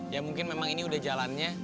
ya mungkin memang ini udah jalannya